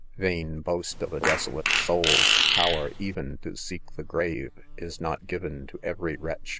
Vain boast of a desolate soul I power even to seek the grave, is not given to every wretch